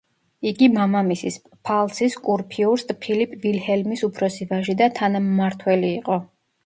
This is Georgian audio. იგი მამამისის, პფალცის კურფიურსტ ფილიპ ვილჰელმის უფროსი ვაჟი და თანამმართველი იყო.